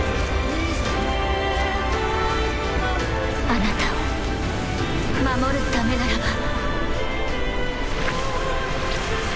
あなたを守るためならば